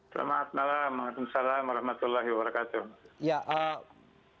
selamat malam assalamualaikum wr wb